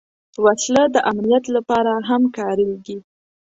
وسله د امنیت لپاره هم کارېږي